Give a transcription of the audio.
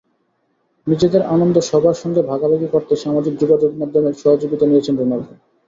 নিজেদের আনন্দ সবার সঙ্গে ভাগাভাগি করতে সামাজিক যোগাযোগমাধ্যমের সহযোগিতা নিয়েছেন রোনালদো।